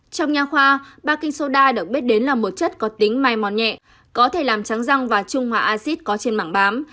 trong nhà khoa ba kinhsoda được biết đến là một chất có tính may mòn nhẹ có thể làm trắng răng và trung hòa acid có trên mảng bám